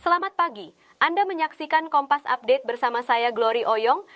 selamat pagi anda menyaksikan kompas update bersama saya glory oyong